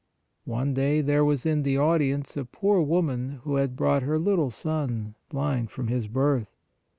One day there was in the audience a poor woman who had brought her little son blind from his birth.